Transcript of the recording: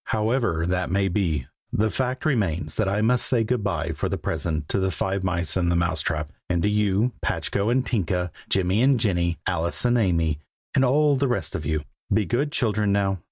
However that may be, the fact remains that I must say good bye for the present to the Five Mice in the Mouse trap, and to you, Patchko and Tinka, Jimmy and Jenny, Alice and Amy, and all the rest of you. Be good children, now!